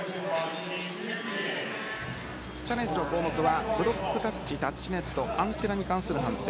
チャレンジの項目はブロックタッチタッチネットアンテナに関する判定